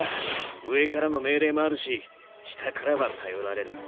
上からの命令もあるし下からは頼られる。